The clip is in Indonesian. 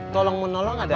tolong menolong adalah